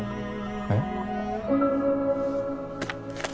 えっ？